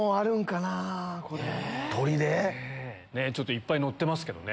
いっぱいのってますけどね。